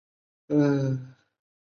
林果业比较发达。